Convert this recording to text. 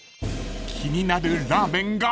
［気になるラーメンが］